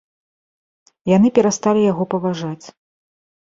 Яны перасталі яго паважаць.